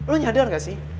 lu nyadar gak sih